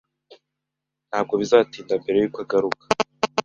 Ntabwo bizatinda mbere yuko agaruka.